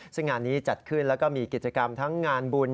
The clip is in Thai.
ซึ่งงานนี้จัดขึ้นแล้วก็มีกิจกรรมทั้งงานบุญ